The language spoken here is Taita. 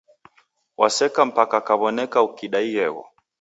Waseka, mpaka ukaw'oneka kidaighegho.